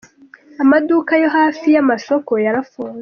Amaduka yo hafi y’amasoko yo yarafunzwe.